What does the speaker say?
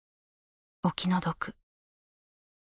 お気の毒」。